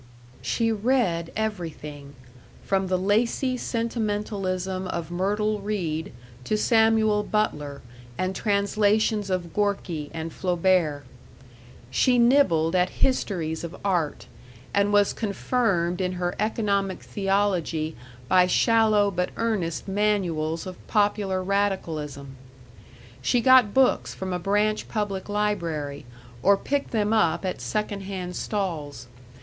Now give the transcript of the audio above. She read everything from the lacy sentimentalism of Myrtle Read to Samuel Butler and translations of Gorky and Flaubert. She nibbled at histories of art, and was confirmed in her economic theology by shallow but earnest manuals of popular radicalism. She got books from a branch public library, or picked them up at second hand stalls.